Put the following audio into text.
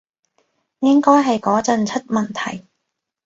應該係嗰陣出問題